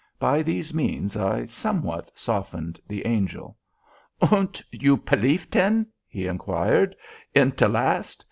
By these means I somewhat softened the Angel. "Und you pelief, ten," he inquired, "at te last?